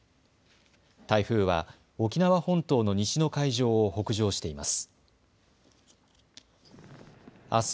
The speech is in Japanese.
台風は沖縄本島の西の海上を北上しています。